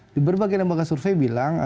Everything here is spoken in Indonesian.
di berbagai lembaga survei bilang